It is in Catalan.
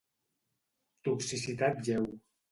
Toxicitat lleu.